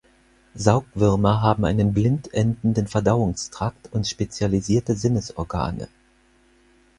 Saugwürmer haben einen blind endenden Verdauungstrakt und spezialisierte Sinnesorgane.